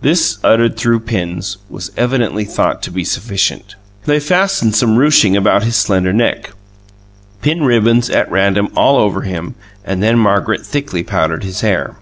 This, uttered through pins, was evidently thought to be sufficient. They fastened some ruching about his slender neck, pinned ribbons at random all over him, and then Margaret thickly powdered his hair.